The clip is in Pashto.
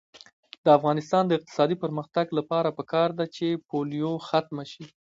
د افغانستان د اقتصادي پرمختګ لپاره پکار ده چې پولیو ختمه شي.